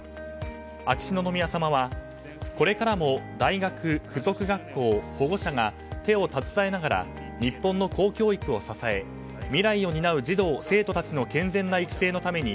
秋篠宮さまはこれからも大学・附属学校保護者が手を携えながら日本の公教育を支え未来を担う児童・生徒たちの健全な育成のために